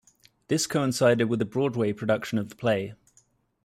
This coincided with a Broadway production of the play.